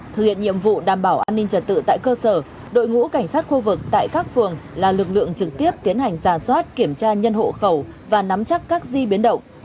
thực hiện nhiệm vụ đảm bảo an ninh trật tự tại cơ sở đội ngũ cảnh sát khu vực tại các phường là lực lượng trực tiếp tiến hành giả soát kiểm tra nhân hộ khẩu và nắm chắc các di biến động